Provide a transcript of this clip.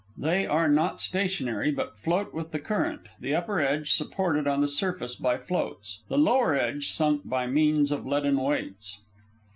They are not stationary, but float with the current, the upper edge supported on the surface by floats, the lower edge sunk by means of leaden weights.